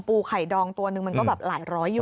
ไข่ดองตัวนึงมันก็แบบหลายร้อยอยู่